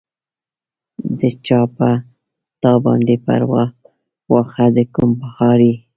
د چا پۀ تا باندې پرواه، واښۀ د کوم پهاړ ئې